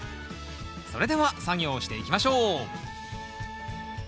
それでは作業していきましょう。